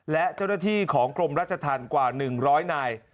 และเจ้าหน้าที่ของกรมราชธรรมกว่า๑๐๐นาย